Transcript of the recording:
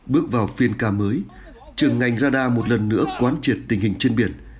bước vào phiên ca mới trường ngành radar một lần nữa quán triệt tình hình trên biển